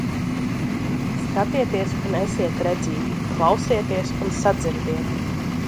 Skatieties un esiet redzīgi, klausieties un sadzirdiet!